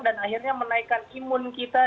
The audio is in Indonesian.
dan akhirnya menaikkan imun kita